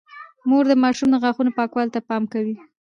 مور د ماشوم د غاښونو پاکوالي ته پام کوي۔